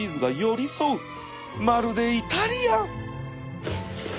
まるでイタリアン！